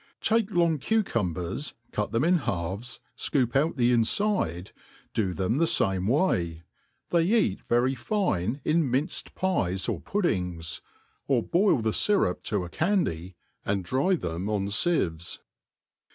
Take long cucumbers, cut them in halfs, fcoop out the infide; do them the fame way: they eat very fine in minced pies or puddings ; or boil the fyiup to a candy, and dry them on ficves.